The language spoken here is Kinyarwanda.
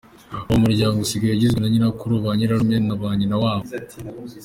Ubu umuryango usigaye ugizwe na nyirakuru, ba nyirarume na ba nyinawabo.